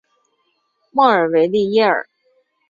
莫尔维利耶尔。